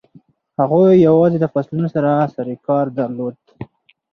هغوی یوازې د فصلونو سره سروکار درلود.